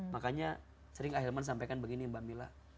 makanya sering ahilman sampaikan begini mbak mila